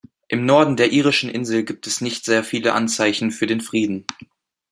Im Norden der irischen Insel gibt es nicht sehr viele Anzeichen für den Frieden.